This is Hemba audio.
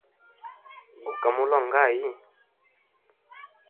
Gu ka mulongʼayi?